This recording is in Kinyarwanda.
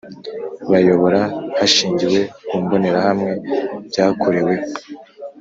bayobora hashingiwe ku mbonerahamwe byakoreweho